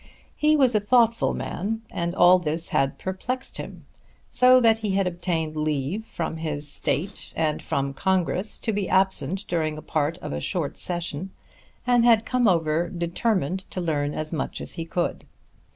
He was a thoughtful man and all this had perplexed him; so that he had obtained leave from his State and from Congress to be absent during a part of a short Session, and had come over determined to learn as much as he could.